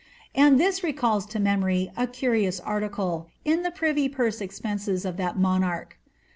And this recalls to memory a curious article, in the pi ivy purse expenses of that monarch.